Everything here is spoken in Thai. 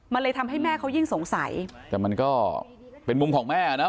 มันเลยทำให้แม่เขายิ่งสงสัยแต่มันก็เป็นมุมของแม่นะ